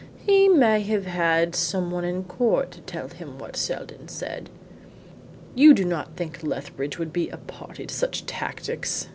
"He may have had some one in court to tell him what Seldon said." "You do not think Lethbridge would be a party to such tactics?"